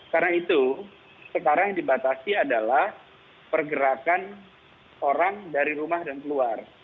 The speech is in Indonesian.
karena itu sekarang yang dibatasi adalah pergerakan orang dari rumah dan keluar